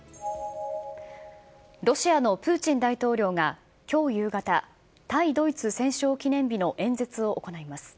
ロシアのプーチン大統領がきょう夕方、対ドイツ戦勝記念日の演説を行います。